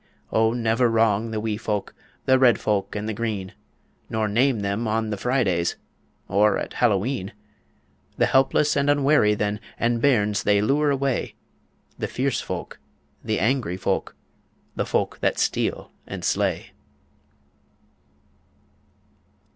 O never wrong the wee folk The red folk and green, Nor name them on the Fridays, Or at Hallowe'en; The helpless and unwary then And bairns they lure away The fierce folk, the angry folk, the folk that steal and slay.